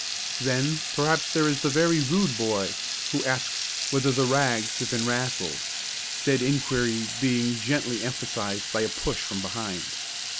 Then perhaps there is the very rude boy who asks whether the "rags" have been "rassled," said enquiry being gently emphasised by a push from behind.